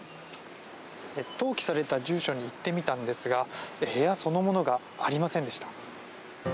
登記された住所に行ってみたのですが部屋そのものがありませんでした。